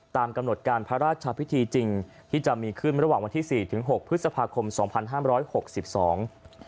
ตามกำหนดการพระราชพิธีจริงที่จะมีขึ้นระหว่างวันที่สี่ถึงหกพฤษภาคมสองพันห้ามร้อยหกสิบสอง